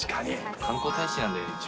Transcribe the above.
観光大使なんで、一応。